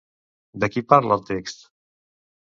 De qui parla el text?